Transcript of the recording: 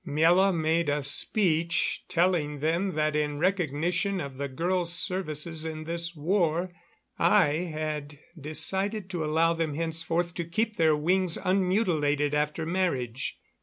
Miela made a speech, telling them that in recognition of the girls' services in this war, I had decided to allow them henceforth to keep their wings unmutilated after marriage.